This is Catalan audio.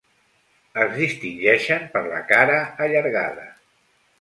Es distingeixen per la cara allargada.